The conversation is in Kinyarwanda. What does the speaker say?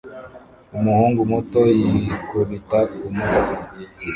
Umuhungu muto yikubita ku modoka